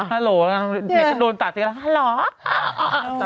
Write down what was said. ฮัลโหลเดี๋ยวโดนตัดเสียแล้วฮัลโหล